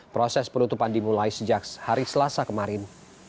proses penutupan dimulai sejak hari selasa kemarin